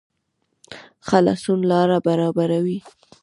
خلاصون لاره برابروي